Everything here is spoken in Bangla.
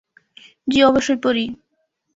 জি, অবশ্যই পড়ি।